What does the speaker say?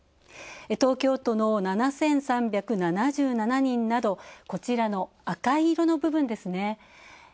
東京都の７３７７人などこちらの赤い色の部分ですね。